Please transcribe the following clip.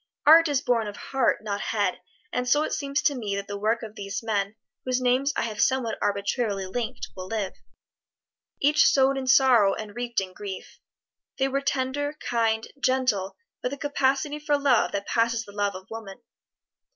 Art is born of heart, not head; and so it seems to me that the work of these men whose names I have somewhat arbitrarily linked, will live. Each sowed in sorrow and reaped in grief. They were tender, kind, gentle, with a capacity for love that passes the love of woman.